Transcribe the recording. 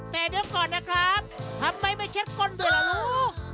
แต่เดี๋ยวก่อนนะครับทำไมไม่เช็ดก้นด้วยล่ะลูก